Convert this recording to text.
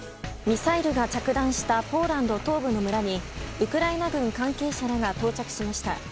ミサイルが着弾したポーランド東部の村にウクライナ軍関係者らが到着しました。